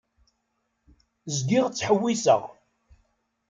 Zgiɣ ttḥewwiseɣ.